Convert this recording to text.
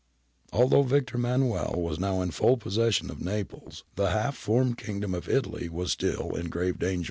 ^ Although Victor Emmanuel was now in full posses sion of Naples, the half formed Kingdom of Italy was still 1 Turr's Div.